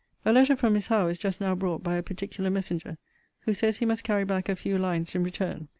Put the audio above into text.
A letter from Miss Howe is just now brought by a particular messenger, who says he must carry back a few lines in return.